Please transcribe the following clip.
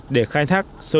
để khai thác cá ngừ đại dương